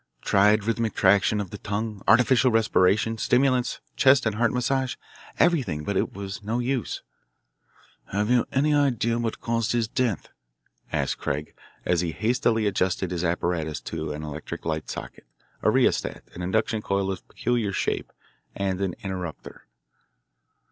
Tried rhythmic traction of the tongue, artificial respiration, stimulants, chest and heart massage everything, but it was no use:" "Have you any idea what caused his death?" asked Craig as he hastily adjusted his apparatus to an electric light socket a rheostat, an induction coil of peculiar shape, and an "interrupter."